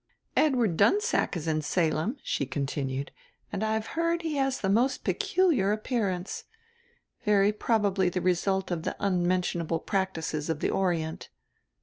"Edward Dunsack is in Salem," she continued; "and I've heard he has the most peculiar appearance. Very probably the result of the unmentionable practices of the Orient.